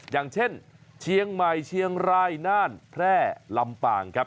อย่างเช่นเชียงใหม่เชียงรายน่านแพร่ลำปางครับ